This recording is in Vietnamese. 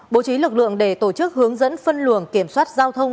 bố trí lực lượng để tổ chức hướng dẫn phân luồng kiểm soát giao thông